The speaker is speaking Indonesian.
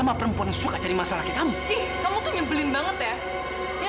sampai jumpa di video selanjutnya